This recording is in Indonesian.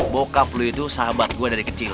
bokap lu itu sahabat gue dari kecil